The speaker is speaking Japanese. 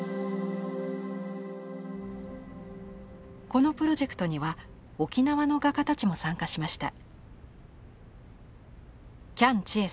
このプロジェクトには沖縄の画家たちも参加しました。